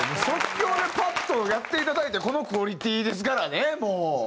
即興でパッとやっていただいてこのクオリティーですからねもう。